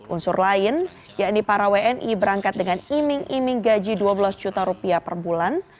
unsur lain yakni para wni berangkat dengan iming iming gaji dua belas juta rupiah per bulan